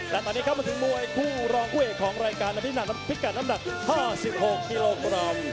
และตอนนี้ครับมาถึงมวยคู่รองคู่เอกของรายการวันนี้พิกัดน้ำหนัก๕๖กิโลกรัม